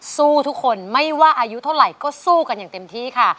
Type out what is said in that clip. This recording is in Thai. สู้ทุกคนไม่ว่าอายุเท่าไหร่ก็สู้กันอย่างเต็มที่ค่ะ